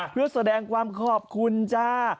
เพื่อแสดงความขอบคุณจ้า